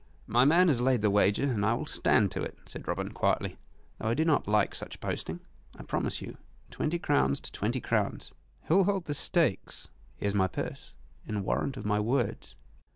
"My man has laid the wager and I will stand to it," said Robin, quietly, "though I do not like such boasting, I promise you. Twenty crowns to twenty crowns who will hold the stakes? Here is my purse in warrant of my words."